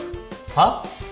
はっ？